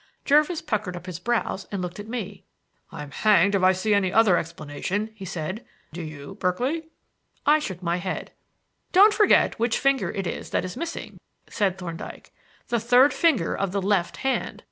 Jervis puckered up his brows, and looked at me. "I'm hanged if I see any other explanation," he said. "Do you, Berkeley?" I shook my head. "Don't forget which finger it is that is missing," said Thorndyke. "The third finger of the left hand."